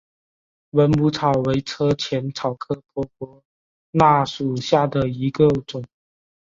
蚊母草为车前草科婆婆纳属下的一个种。